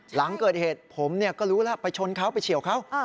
หลังเกิดเหตุผมก็รู้แล้วไปชนเขาไปเฉียวเขา